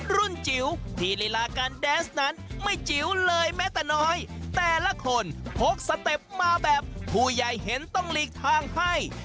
จิ๋วที่ลีลาการแดนส์นั้นไม่จิ๋วเลยแม้แต่น้อยแต่ละคนพกสเต็ปมาแบบผู้ใหญ่เห็นต้องหลีกทางให้